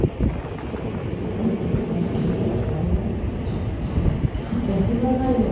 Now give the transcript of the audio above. ちょっと勘弁してくださいよ。